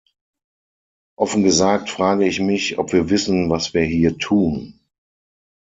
Offen gesagt frage ich mich, ob wir wissen, was wir hier tun.